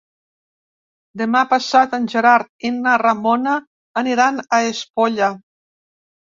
Demà passat en Gerard i na Ramona aniran a Espolla.